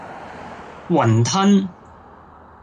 雲吞